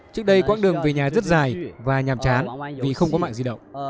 trước đây quãng đường về nhà rất dài và nhàm chán vì không có mạng di động